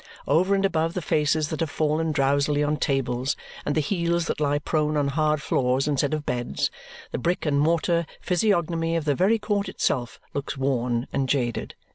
Over and above the faces that have fallen drowsily on tables and the heels that lie prone on hard floors instead of beds, the brick and mortar physiognomy of the very court itself looks worn and jaded.